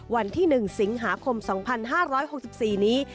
วันที่๑สิงหาคม๒๕๖๔นี้